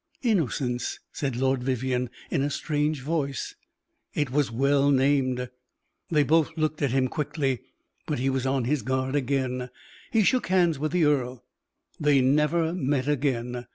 "'Innocence!'" said Lord Vivianne, in a strange voice; "It was well named." They both looked at him quickly, but he was on his guard again. He shook hands with the earl. They never met again.